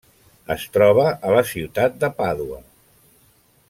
Es troba a la ciutat de Pàdua.